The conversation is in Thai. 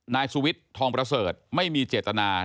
นายสุวิทย์ทองประเสริฐไม่มีเจตนา